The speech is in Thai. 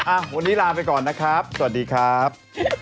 อ่ะวันนี้ลาไปก่อนนะครับสวัสดีครับ